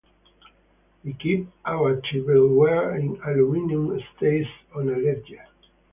We keep our tableware in aluminum steins on a ledge.